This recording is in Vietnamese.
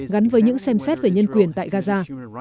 gắn với những xem xét về nhân quyền tại gaza